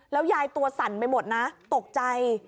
ยายตัวสั่นไปหมดนะตกใจ